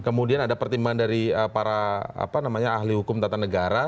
kemudian ada pertimbangan dari para ahli hukum tata negara